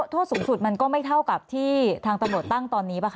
โทษสูงสุดมันก็ไม่เท่ากับที่ทางตำรวจตั้งตอนนี้ป่ะค